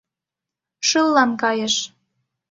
Шыллан кайыш.